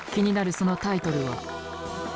そのタイトルは。